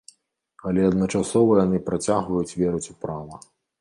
Але адначасова яны працягваюць верыць у права.